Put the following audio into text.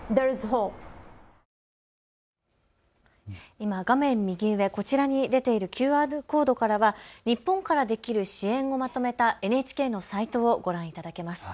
今、画面右上、こちらに出ているＱＲコードからは日本からできる支援をまとめたＮＨＫのサイトをご覧いただけます。